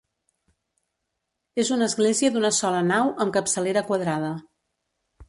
És una església d'una sola nau amb capçalera quadrada.